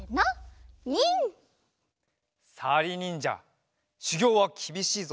さりにんじゃしゅぎょうはきびしいぞ。